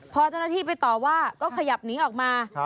พอเจ้าหน้าที่ไปต่อว่าก็ขยับหนีออกมา